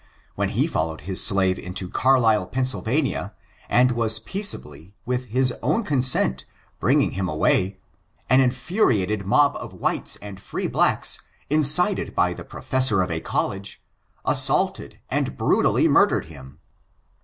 When he followed his slave into Carlisle, Pennsylvania, and was peaceably, with his own consent, bringing him away, an infuriated mob of whites and free blacks, incited by the Professor of a College, assaulted and brutally murdered him